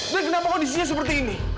dan kenapa kondisinya seperti ini